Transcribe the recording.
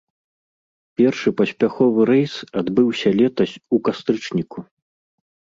Першы паспяховы рэйс адбыўся летась у кастрычніку.